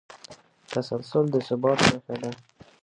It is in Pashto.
تسلسل د ثبات نښه ده.